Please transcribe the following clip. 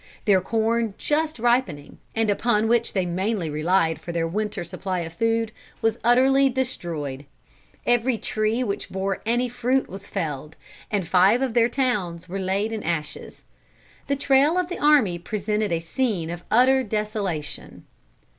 Their corn just ripening, and upon which they mainly relied for their winter supply of food, was utterly destroyed. Every tree which bore any fruit was felled, and five of their towns were laid in ashes. The trail of the army presented a scene of utter desolation.